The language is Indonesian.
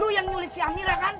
lu yang nyulik si amira kan